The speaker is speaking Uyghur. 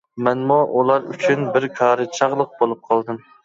مەنمۇ ئۇلار ئۈچۈن بىر كارى چاغلىق بولۇپ قالدىم.